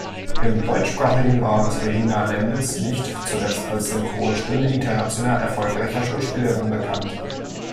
Im deutschsprachigen Raum ist Regina Lemnitz nicht zuletzt als Synchronstimme international erfolgreicher Schauspielerinnen bekannt.